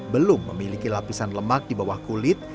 belum memiliki lapisan lemak di bawah kulit